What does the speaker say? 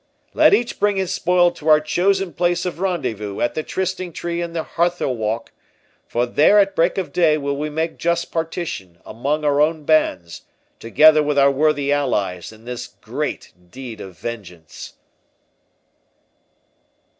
Let each bring his spoil to our chosen place of rendezvous at the Trysting tree in the Harthill walk; for there at break of day will we make just partition among our own bands, together with our worthy allies in this great deed of vengeance."